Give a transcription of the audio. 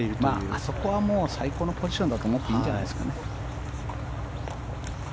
あそこはもう最高のポジションだと思っていいんじゃないでしょうかね。